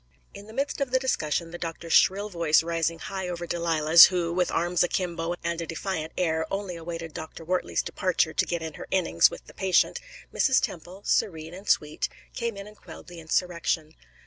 In the midst of the discussion, the doctor's shrill voice rising high over Delilah's, who, with arms akimbo and a defiant air, only awaited Dr. Wortley's departure to get in her innings with the patient, Mrs. Temple, serene and sweet, came in and quelled the insurrection.